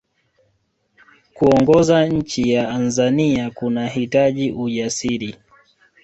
kuongoza nchi ya anzania kunahitaji ujasiri